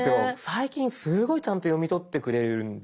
最近すごいちゃんと読み取ってくれるんで。